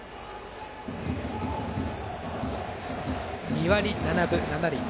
２割７分７厘。